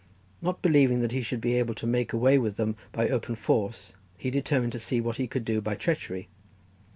Not believing that he should be able to make away with them by open force, he determined to see what he could do by treachery.